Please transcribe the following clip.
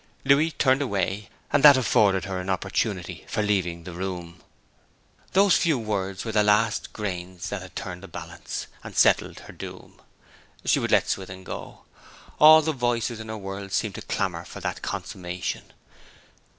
Louis turned away; and that afforded her an opportunity for leaving the room. Those few words were the last grains that had turned the balance, and settled her doom. She would let Swithin go. All the voices in her world seemed to clamour for that consummation.